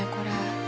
これ。